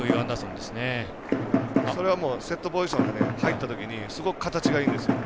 それはもうセットポジションで入ったときにすごく形がいいんです。